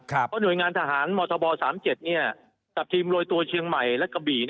เพราะหน่วยงานทหารมธบ๓๗กับทีมโรยตัวเชียงใหม่และกะบี่